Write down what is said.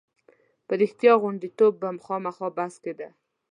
په رښتیا غوندېتوب به خامخا بحث کېده.